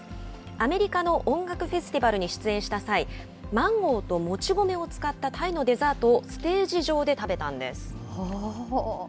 アメリカの音楽フェスティバルに出演した際、マンゴーともち米を使ったタイのデザートをステージ上で食べたんです。